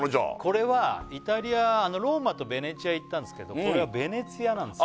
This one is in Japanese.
これはイタリアローマとベネチア行ったんですけどこれはベネチアなんです